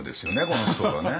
この人がね。